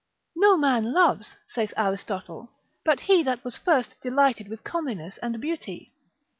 No man loves (saith Aristotle 9. mor. cap. 5.) but he that was first delighted with comeliness and beauty.